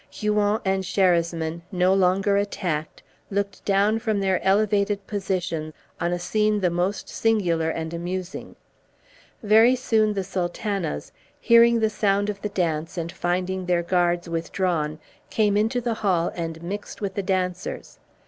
Huon and Sherasmin, no longer attacked, looked down from their elevated position on a scene the most singular and amusing. Very soon the Sultanas, hearing the sound of the dance and finding their guards withdrawn, came into the hall and mixed with the dancers.